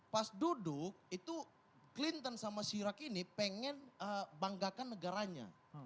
pas duduk itu clinton sama sirak ini pengen banggakan negaranya